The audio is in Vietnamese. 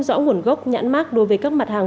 rõ nguồn gốc nhãn mát đối với các mặt hàng